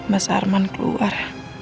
mas arman keluar